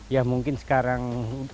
ya mungkin sekarang